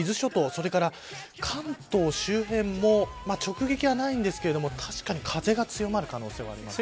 それから関東周辺も直撃がないんですけれども確かに風が強まる可能性はあります。